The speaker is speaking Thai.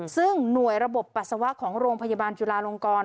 ซึ่งหน่วยระบบปัสสาวะของโรงพยาบาลจุลาลงกร